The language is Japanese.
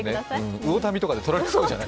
魚民とかでとられそうじゃない。